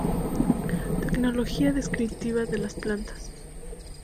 Terminología descriptiva de las plantas